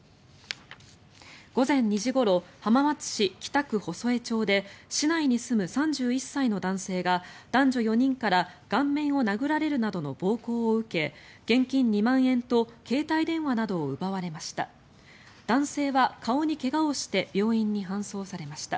午前２時ごろ浜松市北区細江町で市内に住む３１歳の男性が男女４人から顔面を殴られるなどの暴行を受け現金２万円と携帯電話などを奪われました。